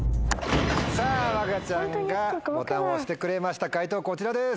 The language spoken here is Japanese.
さぁわかちゃんがボタンを押してくれました解答こちらです。